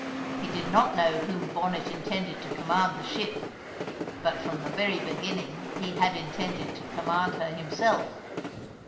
He did not know whom Bonnet intended to command the ship, but from the very beginning he had intended to command her himself.